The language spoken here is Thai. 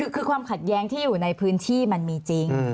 คือความขัดแย้งที่อยู่ในพื้นที่มันมีจริง